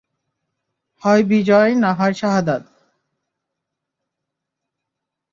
হয় বিজয়, না হয় শাহাদাত।